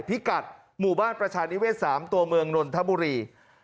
พิกัดหมู่บ้านประชานิเวศ๓ตัวเมืองนนทบุรี